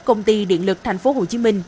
công ty điện lực thành phố hồ chí minh